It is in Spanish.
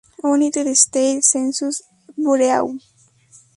United States Census Bureau.